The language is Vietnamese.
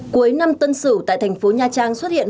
cuối năm tân sửu tại thành phố nha trang xuất hiện